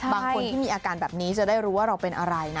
บางคนที่มีอาการแบบนี้จะได้รู้ว่าเราเป็นอะไรนะ